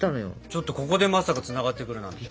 ちょっとここでまさかつながってくるなんて。